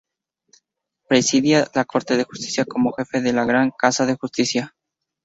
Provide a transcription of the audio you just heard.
Presidía la corte de justicia como jefe de la "Gran Casa de Justicia".